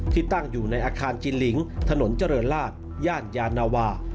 ที่ตั้งอยู่ในอาคารจินลิงถนนเจริญราชย่านยานาวา